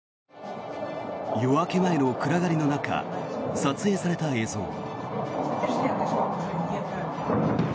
夜明け前の暗がりの中撮影された映像。